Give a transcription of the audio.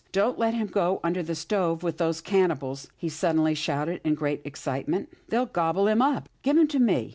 Don't let him go under the stove with those cannibals," he suddenly shouted in great excitement. " They'll gobble him up. Give him to me."